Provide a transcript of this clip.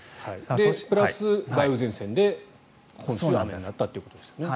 プラス、梅雨前線で今週雨になったということですね。